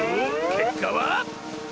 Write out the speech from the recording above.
けっかは。